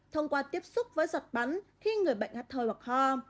thông qua tiếp xúc với giọt bắn khi người bệnh hắt thơi hoặc ho